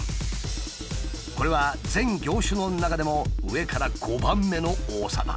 これは全業種の中でも上から５番目の多さだ。